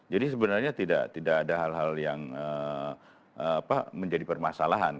jadi sebenarnya tidak ada hal hal yang menjadi permasalahan